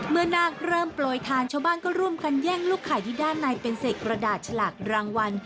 นาคเริ่มโปรยทานชาวบ้านก็ร่วมกันแย่งลูกไข่ที่ด้านในเป็นเศษกระดาษฉลากรางวัล